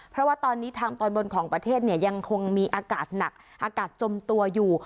เพราะว่าตอนนี้ทางตอนบนของประเทศเนี่ยยังคงมีอากาศหนักอากาศจมตัวอยู่